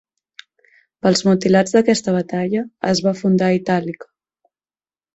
Pels mutilats d'aquesta batalla es va fundar Itàlica.